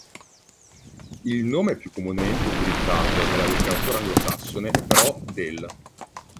Il nome più comunemente utilizzato nella letteratura anglosassone è però "del".